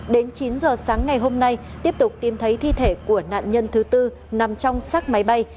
đến chín h sáng ngày hôm nay tiếp tục tìm thấy thi thể của nạn nhân thứ bốn nằm trong sác máy bay